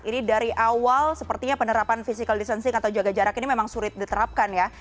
ini dari awal sepertinya penerapan physical distancing atau jaga jarak ini memang sulit diterapkan ya